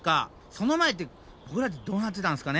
その前ってボクらってどうなってたんですかね？